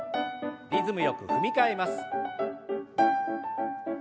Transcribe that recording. リズムよく踏み替えます。